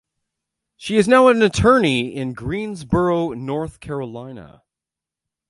She is now an attorney in Greensboro, North Carolina.